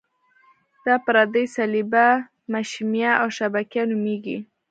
دا پردې صلبیه، مشیمیه او شبکیه نومیږي.